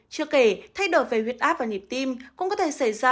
chưa kể thay đổi về huyết áp và nhịp tim cũng có thể xảy ra